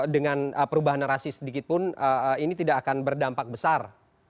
dengan perubahan narasi sedikitpun ini tidak akan berdampak besar